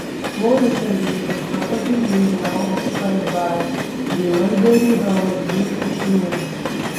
More recently the property is now occupied by The Mulberry House Beauty Salon.